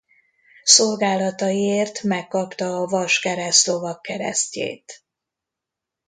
Szolgálataiért megkapta a Vaskereszt lovagkeresztjét.